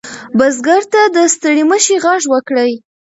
بزګر ته د ستړي مشي غږ وکړئ.